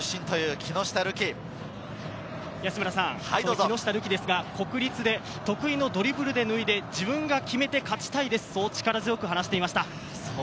木下瑠己は国立で得意のドリブルで抜いて自分が決めて勝ちたいですと力強く話していました。